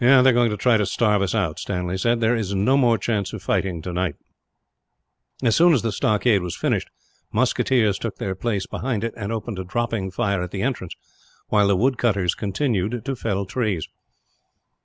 "They are going to try to starve us out," Stanley said. "There is no more chance of fighting, tonight." As soon as the stockade was finished, musketeers took their place behind it and opened a dropping fire at the entrance, while the woodcutters continued to fell trees.